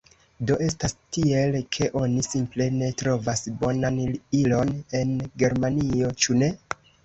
Do, estas tiel, ke oni simple ne trovas bonan ilon en Germanio, ĉu ne?